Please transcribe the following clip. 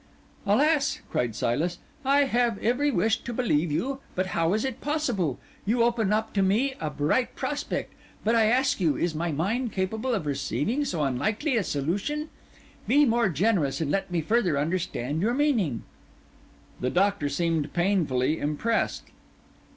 "Alas!" said Silas, "I have every wish to believe you; but how is it possible? You open up to me a bright prospect, but, I ask you, is my mind capable of receiving so unlikely a solution? Be more generous, and let me further understand your meaning." The Doctor seemed painfully impressed.